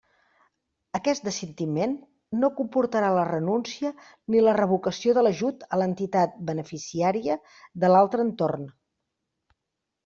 Aquest desistiment no comportarà la renúncia ni la revocació de l'ajut a l'entitat beneficiària de l'altre entorn.